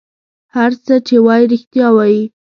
هر څه چې وایي رېښتیا وایي.